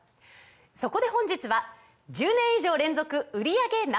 そこで本日は１０年以上連続売り上げＮｏ．１